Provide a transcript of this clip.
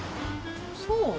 そう？